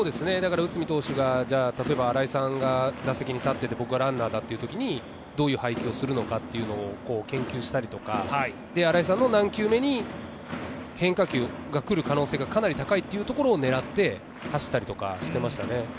内海投手が、例えば新井さんが打席に立っていて、僕がランナーだとするとどういう配球をするのか研究をしたりだとか新井さんの何球目に変化球が来る可能性がかなり高いというところで走ったりとかしていましたね。